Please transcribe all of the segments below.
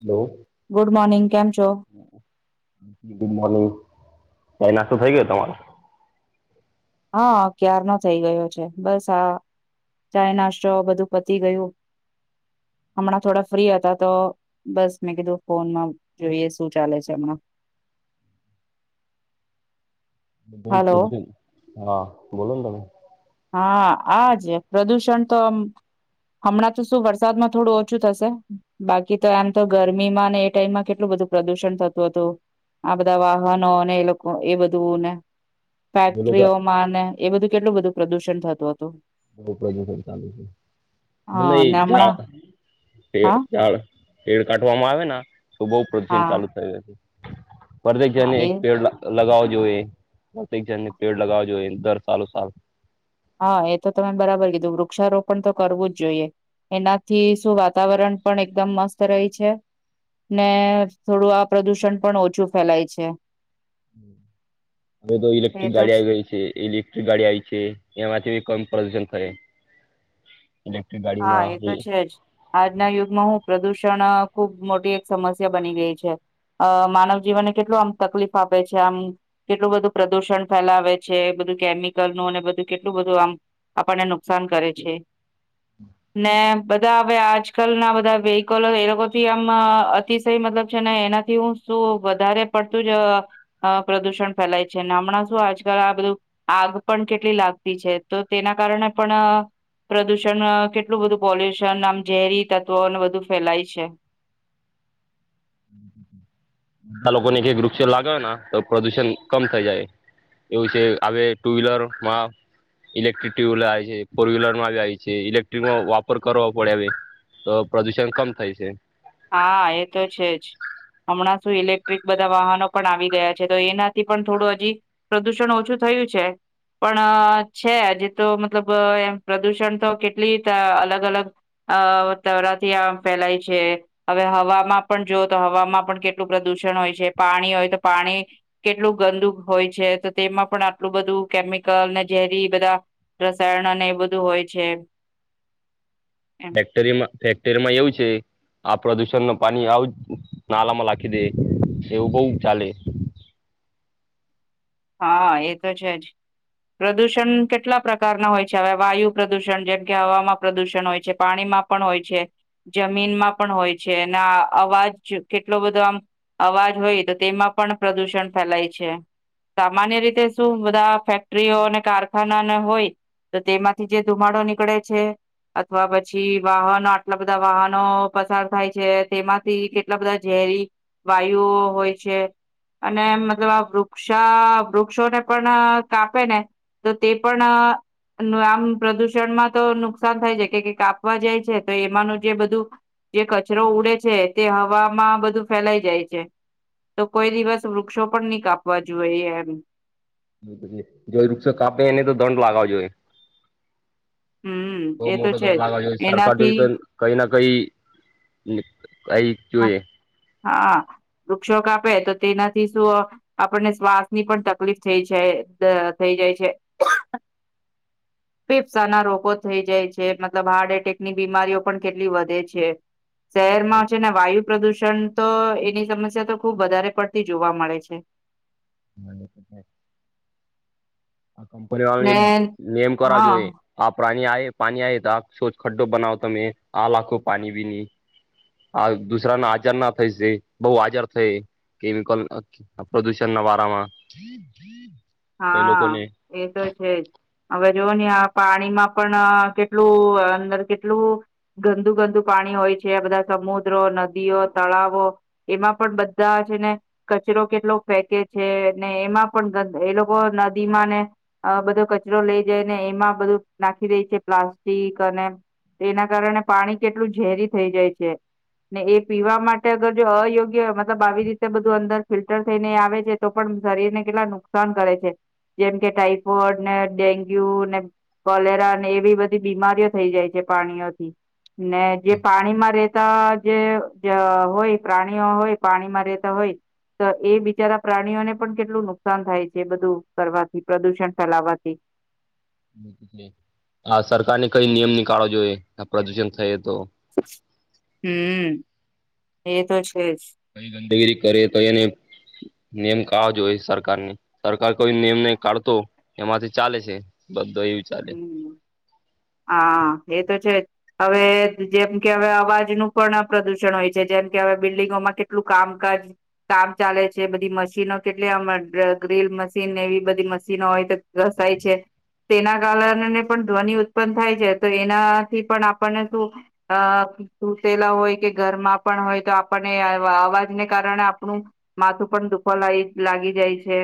Hello good morning કેમ છો? [unintelligible] Hello, કઈ નાસ્તો થઇ ગયો તમારો? હા ક્યારનો થઈ ગયો છે. બસ આ ચાય નાસ્તો બધું પતી ગયું. હમણાં થોડા ફ્રી હતા તો બસ મેં કીધું ફોનમાં જોઈએ શું ચાલે છે હમણાં--? બધા હલો ઉપર છે હા બોલો ને તમે હા આજ પ્રદુષણ તો હમણાં તો શું વરસાદમાં થોડું ઓછું થશે બાકી તો એમ તો ગરમીમાં ને એ ટાઈમમાં કેટલું બધું પ્રદુષણ થતું હતું આ બધા વાહનો અને એ લોકો એ બધુંને બોલો કા ફેક્ટરીઓમાં અને એ બધું કેટલુંધું પ્રદુષણ થતું હતું બ ચુ છે ન હા ને હમણાં હા પેડ કાઢવામાં આવે તો બહ પ્રન હા ચાલુ થય છે હા પર્દેખને એ એક પેડ લગાવો જોઈએ પ્રત્યક જણ ને પેડ લગાવવા જોઈએ દર સાાલો સાર હા એ તો તમે બરાબર કીધું વૃક્ષારોપણ તો કરવું જ જોઈએ એનાથી શું વાતાવરણ પણ એકદમ મસ્ત રહે છે ને થોડું આ પ્રદુષણ પણ ઓછું ફેલાય છે હવે તો એ ઇલેક્ટ્રિક તો ગાડી આવી ગઈ છે ઇલેક્ટ્રિક ગાડી આવી છે એમાંથીી કમ પ્રદૂશન કરે હા એ તો છે જ આજના યુગમાં હું પ્રદૂષણ ખુબ મોટી એક સમસ્યા બની ગઈ છે અ માનવ જીવનને કેટલું આમ તકલીફ આપે છે આમ કેટલું બધું પ્રદુષણ ફેલાવે છે બધું કેમિકલ નું અને બધું કેટલું બધું આમ આપણને નુકસાન કરે છે ને બધા હવે આજકાલના બધા વેહકલો એ લોકોથી આમ અતિશય મતલબ છે ને એનાથી હું શું વધારે પડતું જ પ્રદુષણ ફેલાય છે હમણાં શું આજકાલ આ બધું આગ પણ કેટલી લાગતી છે તો તેના કારણે પણ પ્રદુષણ કેટલું બધું પોલ્યુશન આમ ઝેરી તત્વોને બધું ફેલાય છે બધા લોકોને કક વૃક્ષો લાગે તો પ્રદુષણ કમ થઈ જાય એવું છે હ ટુ વ્હીલરમાં ઇલેક્ટ્રિક ટુ વ્હીલર આવે છે ફોર વ્હીલરમાં આવી આવે છે ઇલેક્ટ્રિકો વાપર કરવો પડે આવે તો પ્રદુષણ કમ થાય છે હા એ તો છે જ હમણાં શું ઇલેક્ટ્રિક બધા વાહનો પણ આવી ગયા છે તો એનાથી પણ થોડું હજી પ્રદુષણ ઓછું થયું છે પણ છે હજ તો મતલબ એમ પ્રદુષણ તો કેટલી અલગ અલગ અ તરાથી આ ફેલાય છે હવે હવામાં પણ જોઓ તો હવામાં પણ કેટલું પ્રદુષણ હોય છે પાણી હોય તો પાણી કેટલું ગંદુ હોય છે તો તેમાં પણ આટલું બધું કેમિકલ ને ઝેરી બધા રસાયણ અને એ બધું હોય છે એમ ફેક્ટરીમાં ફ તેરમાં એવું છે આ પ્રદુષણ ન પાણી આવું જ નાલામાં લખી દે એવું બહ ચાલે હા એ તો છે જ પ્રદુષણ કેટલા પ્રકારના હોય છે હવે વાયુ પ્રદુષણ જેમ કે હવામાં પ્રદુષણ હોય છે પાણીમાં પણ હોય છે જમીનમાં પણ હોય છે અને અવાજ કેટલો બધો આમ અવાજ હોય તો તેમાં પણ પ્રદુષણ ફેલાય છે સામાન્ય રીતે શું બધા ફેક્ટરીઓ અને કારખાનાને હોય તો તેમાંથી જે ધુમાડો નીકળે છે અથવા પછી વાહનો આટલા બધા વાહનો પસાર થાય છે તેમાંથી કેટલા બધા ઝેરી વાયુઓ હોય છે અને મતલબ આ વ વૃક્ષા વૃક્ષોને પણ કાપે ને તો તે પણ આમ પ્રદુષણમાં તો નુકસાન થાય જાય કે કાપવા જાય છે તો એમાંનું જે બધું જે કચરો ઉડે છે તે હવામાં બધું ફેલાઈ જાય છે તો કોઈ દિવસ વૃક્ષો પણ નહી કાપ જોએ એમ બલકુલ જો વૃક્ષ કાપેને તો દંડ લાગાવજોએ હમ બહ એ તો મોટો છે ધોડ લાવવા જોઈએ જ સરકાર એનાથી જોઈ તો હા કઈ ના કઈ કઈ હા જોઈએ હા વૃક્ષોક આપે તો તેનાથી શું આપણને શ્વાસની પણ તકલીફ થઈ જાય થઈ જાય છે ફેફસાના રોગો થઈ જાય છે મતલબ હાર્ટ એટેકની બીમારીઓ પણ કેટલી વધે છે શહેરમાં વાયુ પ્રદૂષણ તો એની સમસ્યા તો ખુબ વધારે પડતી જોવા મળે છે હ આ કંપની વાળાની ને એક નેમ કરવા હા જોઈએ આ પ્રઇ પા પાણી આવે તો આ સો ખડ્ડો બનાવ તમે આ લખો પાણી બીની આ દુસરા ના આજાર ના થાયશે બહ આજાર થાય કેમિકલ પ્રદુષણ ના વારામાં કઈ હા લોકોને હા એ તો છે જ હવે જોવ ને આ પાણીમાં પણ કેટલું અંદર કેટલું ગંદુ ગંદુ પાણી હોય છે બધા સમુદ્રો નદીઓ તળાવો એમાં પણ બધા છે ને કચરો કેટલો ફેંકે છે ને એમાં પણ એ નદીમાં ને બધો કચરો લઈ જાય ને એમાં બધું નાખી દે છે પ્લાસ્ટિક અને એના કારણે પાણી કેટલું ઝેરી થઈ જાય છે ને એ પીવા માટે અગર જો અયોગ્ય મતલબ આવી રીતે બધું અંદર ફિલ્ટર થઈને આવે છે તો પણ શરીર ને કેટલા નુકસાન કરે છે જેમ કે ટાઈફોઇડ ને ડેન્ગ્યુ ને કલેરા ને એવી બધી બીમારીઓ થઈ જાય છે પ્રાણીઓથી ને જે પાણીમાં રેતા જે હોય પ્રાણીઓ હોય પાણીમાં રેતા હોય તો એ બિચારા પ્રાણીઓને પણ કેટલું નુકસાન થાય છે કરવાથી પ્રદૂષણ ફેલાવાથી હ સરકારને કઈ નિયમ નીિકળો જોઈએ પ્રદુષણ થઈ તો હમ એ તો છે જ કઈ ગંદગીરી કરે તો એને નેમ કવાજ હોય સરકારની સરકાર કોઈ નેમ ન કાઢતો એમાંથી ચાલે છેધ તો એવું ચાલે હમ હા એ તો છે હવે જેમ કે હવે અવાજનું પણ પ્રદુષણ હોય છે જેમ કે હવે બિલ્ડીંગોમાં કેટલું કામકાજ કામ ચાલે છે બધી મશીનો કેટલીમ ગ્રીલ મશીન એવી બધી મશીનો હોય તો ઘસાય છે તેના કારણને પણ ધ્વનિ ઉત્પન થાય છે તો એનાથી પણ આપણને શું અ સુૂતેલા હોય કે ઘરમાં પણ હોય તો આપણને અવાજને કારણે આપણું માથું પણ દુખો લ લાગી જાય છે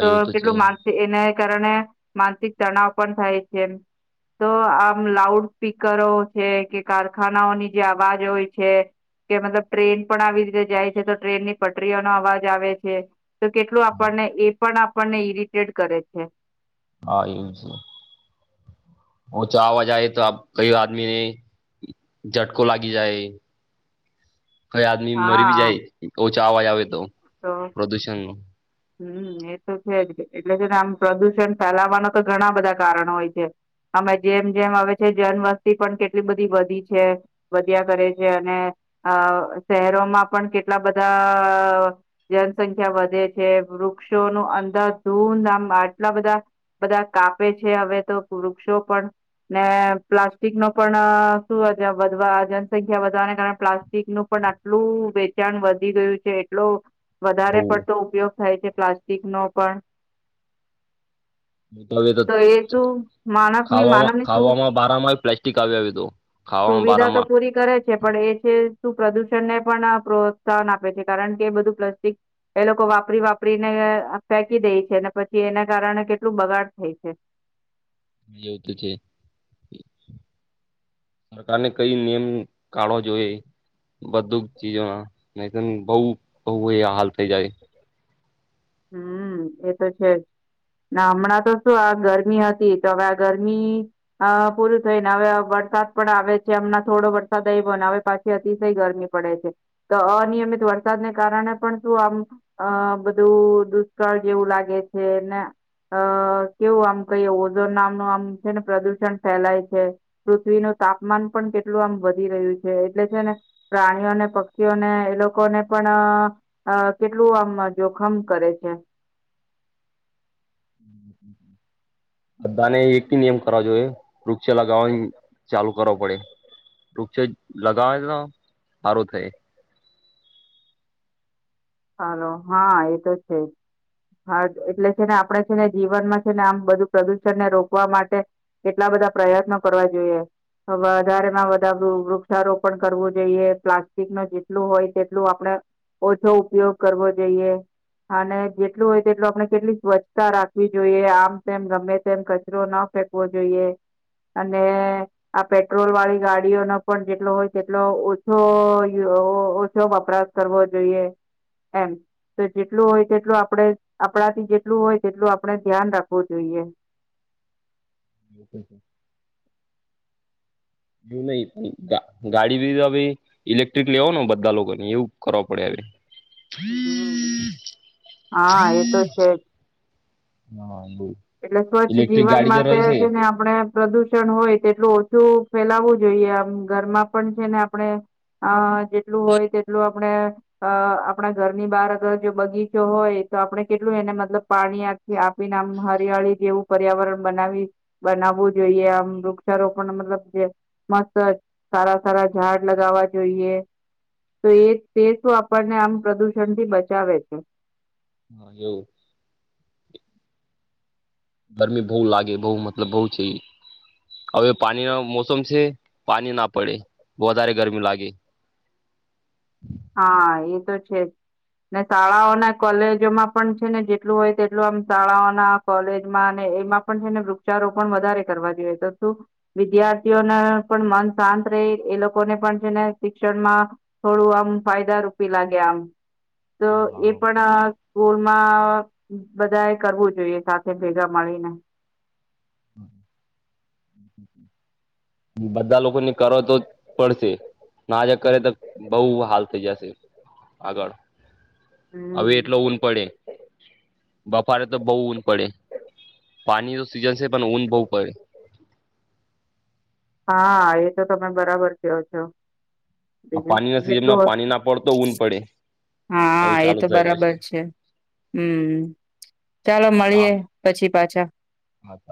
તો કેટલું માગ છે એને કારણે માનસિક તણાવ પણ થાય છે એમ તો આમ લાઉડ સ્પીકરો છે કે કારખાનાઓની જે અવાજ હોય છે કે મતલબ ટ્રેન પણ આવી રીતે જાય છે તો ટ્રેનની પટરીઓનો અવાજ આવે છે તો કેટલું આપણને એ પણ આપણને ઈરિટેટ કરે છે હા એવું છે હ તો આવાજાય તો કઈ આદમીને ઝટકો લાગી જાય કઈ આદમી મરી બી જાય ાવાજ આવે તો ઓ પ્રદુષણ નો હમ એ તો કેે એટલે છેને આમ પ્રદુષણ ફેલાવાનો તો ઘણ બધા કારણો હોય છે અમે જેમ જેમ આવે છે જન વસ્તી પણ કેટલી બધી વધી છે વધ્યા કરે છે અને આ શહેરોમાં પણ કેટલા બધા જનસંખ્યા વધે છે વૃક્ષોનું અંદર ધૂંધ આમ આટલા બધા બધા કાપે છે હવે તો વૃક્ષો પણ ને પ્લાસ્ટિક ન પણ શું વધવા જનસંખ્યા વધવાને કારણે પ્લાસ્ટિકનુંું પણ આટલું વેચાણ વધી ગયું છે એટલ વધારે બઉ પડતો ઉપયોગ થાય છે પ્લાસ્ટિક નો પણ તો એ શું માનસની ખાવામાં માનવની સુ ખાવામાં બારામાં પ્લાસ્ટિક આવી આવ્યું હતું ખાવામાં સુવિધા તો બારામાં પૂરી કરે છે પણ એ છે પ્રદૂષણ ને પણ પ્રોત્સાહન આપે છે કારણ કે બધું પ્લસ એ લોકો વાપરી વાપરીને ફેંકી દે છે ને પછી એને કારણે કેટલું બગાડ થઈ છે એવું તો છે સરકારને કઈ નિયમ કાઢવો જોઈએ બધું ચીજો ના ન બહ બહ એ હાલ થઈ જાય હમ એ તો છે જ હમણાં તો શું આ ગરમી હતી તો હવે આ ગરમી પૂરું થઈને હવે વરસાદ પણ આવે છે હમણા થોડો વરસાદ આવ્યોને હવે પાછી અતિશય ગરમી પડે છે તો અનિયમિત વરસાદને કારણે પણ શું આમ અ બધું દુષ્કળ જેવું લાગે છે ને અ કેવું આમ કહીએ ઓઝો નામનું આમ છે ને પ્રદુષણ ફેલાય છે પૃથ્વીનું તાપમાન પણ કેટલું આમ વધી રહ્યું છે એટલે છે ને પ્રાણીઓને પક્ષીઓને એ લોકોને પણ કેટલું આમ જોખમ કરે છે [inaudible] બધાને એકથી નિયમ કરવા જોઈએ વૃક્ષ લગાવવાની ચાલુ કરો પડે વૃક્ષ લગાવે તો સારું થાય હાલો હા એ તો છે હા એટલે છે ને આપણે છે ને જીવનમાં છે ને આમ બધું પ્રદુષણને રોકવા માટે કેટલા બધા પ્રયત્નો કરવા જોઈએ વધારેમાં વધારે વૃક્ષારોપણ કરવું જોઈએ પ્લાસ્ટિક ન જેટલું હોય તેટલું આપણે ઓછો ઉપયોગ કરવો જોઈએ અને જેટલું હોય તેટલ આપણે કેટલી સ્વચ્છતા રાખવી જોઈએ આમ તેમ ગમે તેમ કચરો ન ફેકવો જોઈએ અને આ પેટ્રોલ વાળી ગાડીઓનો પણ જેટલો હોય તેટલો ઓછો ઓછો વપરાશ કરવો જોઈએ એમ તો જેટલું હોય તેટલું આપણે આપણાથી જેટલું હોય તેટલું આપડણે ધ્યાન રાખવું જોઈએ જો નહી ગાડી બી ઇલેક્ટ્રિક લેવો ને બધા લોકોને એવું કરવા પડે હવે હમ હા એતો છેજ હા એવું એટલે સ્વચ્છ ઇલેક્ટ્રિક જીવન ગાડી જે માટે રહી છે ને આપણે પ્રદૂષણ હોય તેટલું ઓછું ફેલાવવું જોઈએ આમ ઘરમાં પણ છે ને આપણે અ જેટલું હોય તેટલું આપણે આપણા ઘરની બહાર અગર જો બગીચો હોય તો આપણે કેટલું એને મતલબ પાણી આથી આપીને આમ હરિયાળી જેવું પર્યાવરણ બનાવી બનાવવું જોઈએ આમ વૃક્ષારોપણ મતલબ મસ્ત સારા સારા ઝાડ લગાવવા જોઈએ. તો એ તે શું આપણને આમ પ્રદુષણ થી બચાવે છે. હા એવું ગરમી બઉ લાગે બઉ મતલબ બઉ છે એ અવે પાણી ના મોસમ છે. પાણી ના પડે વધારે ગરમી લાગે આ એ તો છે જ ને શાળાઓને કોલેજોમાં પણ છે ને જેટલું હોય તેટલું આમ શાળાઓના કોલેજમાં એમાં પણ હેને વૃક્ષારોપણ વધારે કરવા જોઈએ. તો શું વિદ્યાર્થીઓને પણ મન શાંત રેય એ લોકોને પણ છે ને શિક્ષણમાં થોડું આમ ફાયદા રૂપી લાગ્યા આમ તો હા એ હા. પણ સ્કૂલમાં બધા એ કરવું જોઈએ સાથે ભેગા મળીને. બધા લોકોને કર તો પડશે નાજ કરે તો બઉ હાલ થઈ જશે આગળ અવે હમ એટલો ઊન પડે બફારે તો બઉ ઊન પડે. પાની [unintelligible] સીઝન છે પણ ઊન બઉ પડે. આ એ તો તમે બરાબર કયો છો. આ બીજું પાણીના સિઝનમાં [unintelligible] પાણી ના પડતો ઊન પડે એવું હા એ ચાલુ તો થઈ ગયું બરાબર છે. હમ ચાલો હા મળીએે પછી પાછા હા.